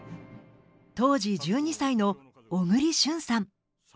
当時１２歳の小栗旬さん。